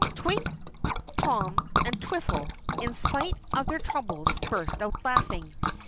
Twink, Tom, and Twiffle, in spite of their troubles, burst out laughing.